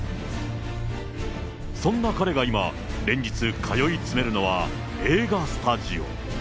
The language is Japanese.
そんな彼が今、連日、通い詰めるのは映画スタジオ。